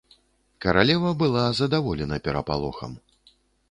Каралева была задаволена перапалохам.